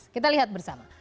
kita lihat bersama